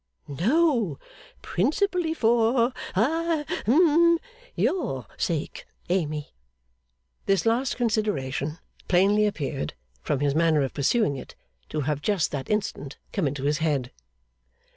No. Principally for ha hum your sake, Amy.' This last consideration plainly appeared, from his manner of pursuing it, to have just that instant come into his head.